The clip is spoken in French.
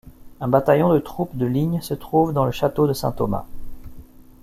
Un bataillon de troupes de ligne se trouve dans le château de Saint-Thomas.